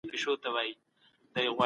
امن له ګډوډۍ څخه ډېر غوره دی.